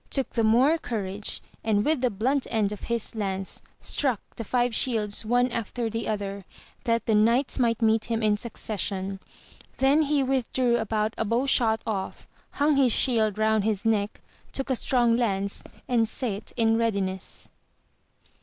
took the more courage, and with the blunt end of his lance struck the five shields one after the other, that the knights might meet him in succession : then he with drew about a bow shot off, hung his shield round his neck, took a strong lance, and sate in readiness.